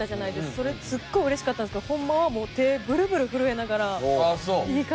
それすごい嬉しかったんですけどホンマはもう手ブルブル震えながら言い返してて。